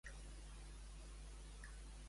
Ser un ceptrot.